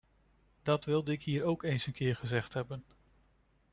Dat wilde ik hier ook eens een keer gezegd hebben.